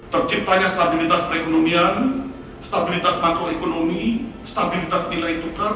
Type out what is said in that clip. terciptanya stabilitas perekonomian stabilitas makroekonomi stabilitas nilai tukar